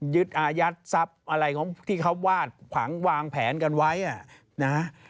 ยึดอาญัตสรรพอะไรของที่เขาวาดของวางแผนกันไว้อ่ะนะ